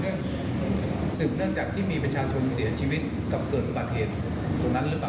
มีส่วนถึงที่มีประชาชนเสียชีวิตกับตรงนั้นหรือเปล่า